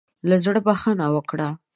له زړۀ بخښنه وکړه.